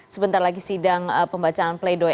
sebentar lagi sidang pembacaan play doh